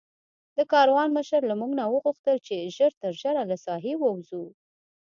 د کاروان مشر له موږ نه وغوښتل چې ژر تر ژره له ساحې ووځو.